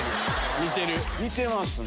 似てますね。